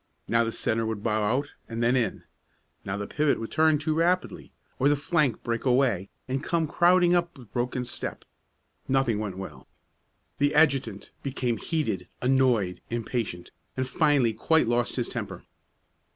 Now the centre would bow out and then in; now the pivot would turn too rapidly, or the flank break away and come crowding up with broken step. Nothing went well. The adjutant became heated, annoyed, impatient, and finally quite lost his temper.